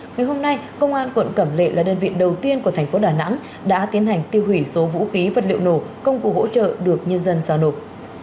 ngày hôm nay công an quận cẩm lệ là đơn vị đầu tiên của thành phố đà nẵng đã tiến hành tiêu hủy số vũ khí vật liệu nổ công cụ hỗ trợ được nhân dân giao nộp